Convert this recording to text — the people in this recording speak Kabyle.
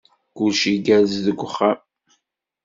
Kullec igerrez deg uxxam.